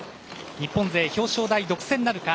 日本勢表彰台独占なるか。